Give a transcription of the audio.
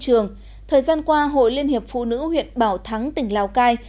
trong thời gian qua hội liên hiệp phụ nữ huyện bảo thắng tỉnh lào cai